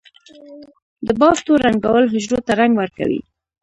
د بافتو رنگول حجرو ته رنګ ورکوي.